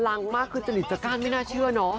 ลังมากคือจริตจะก้านไม่น่าเชื่อเนอะ